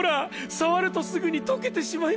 触るとすぐに溶けてしまいます